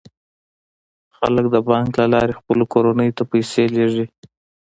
خلک د بانک له لارې خپلو کورنیو ته پیسې لیږدوي.